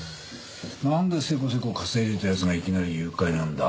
なんでせこせこ稼いでた奴がいきなり誘拐なんだ？